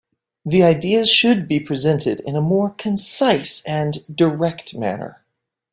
The ideas should be presented in a more concise and direct manner.